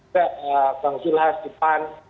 juga bang jilhas di pan